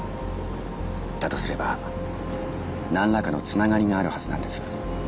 だとすればなんらかの繋がりがあるはずなんです。